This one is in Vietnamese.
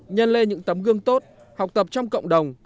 nhân lên những tấm gương tốt học tập trong cộng đồng